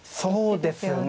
そうですね。